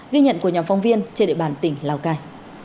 ghi nhận của nhóm phóng viên trên địa bàn tỉnh lào cai